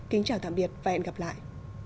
kính chào tạm biệt và hẹn gặp lại